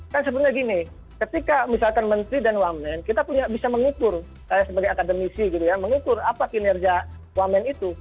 kan sebenarnya gini ketika misalkan menteri dan wah main kita bisa mengukur kaya sebagai akademisi gitu ya mengukur apa kinerja wah main itu